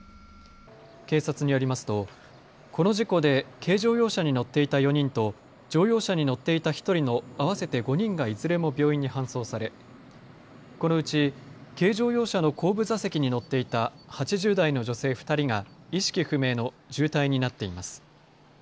警察によりますとこの事故で軽乗用車に乗っていた４人と乗用車に乗っていた１人の合わせて５人がいずれも病院に搬送されこのうち軽乗用車の後部座席に乗っていた８０代の女性２人が意識不明の重体になっています。